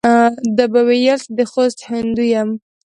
ده به ویل زه د خوست هندو یم.